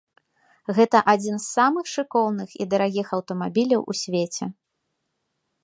Гэта адзін з самых шыкоўных і дарагіх аўтамабіляў у свеце.